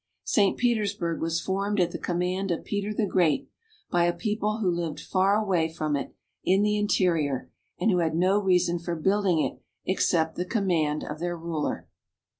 St. Petersburg was formed at the com mand of Peter the Great, by a people who lived far away from it, in the interior, and who had no reason for building it except the command of their ruler.